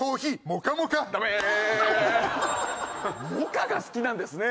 モカが好きなんですね。